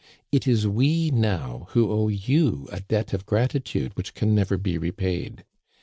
It is we now who owe you a debt of gratitude which can never be repaid.